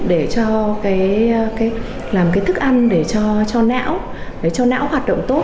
để làm thức ăn để cho não hoạt động tốt